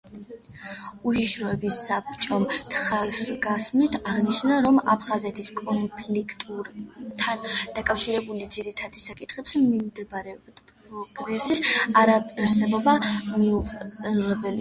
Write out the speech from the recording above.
უშიშროების საბჭომ ხაზგასმით აღნიშნა, რომ აფხაზეთის კონფლიქტთან დაკავშირებულ ძირითად საკითხებთან მიმართებით პროგრესის არარსებობა მიუღებელია.